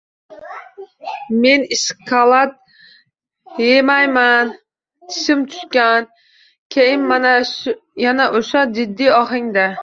—Men ishkalad yemayman. Tishim tushgan. —Keyin yana o'sha jiddiy ohangda